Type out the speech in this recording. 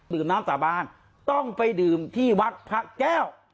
น้ำสาบานต้องไปดื่มที่วัดพระแก้ว